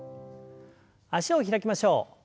脚を開きましょう。